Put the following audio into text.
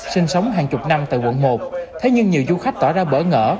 sinh sống hàng chục năm tại quận một thế nhưng nhiều du khách tỏ ra bỡ ngỡ